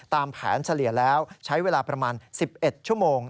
ตามแผนเฉลี่ยแล้วใช้เวลาประมาณ๑๑ชั่วโมง